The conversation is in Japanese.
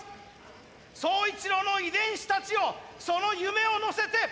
宗一郎の遺伝子たちよその夢を乗せて。